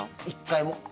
１回も？